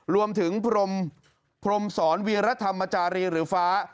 รวมถึงพรมพรมศรวีรธรรมจารีหรือฟ้า